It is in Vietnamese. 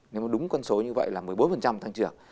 nếu mà đúng con số như vậy là một mươi bốn tăng trưởng